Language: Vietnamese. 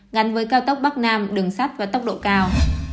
ngắn với cao tốc bắc nam đường sắt và tốc độ cao